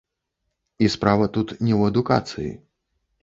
І справа тут не ў адукацыі.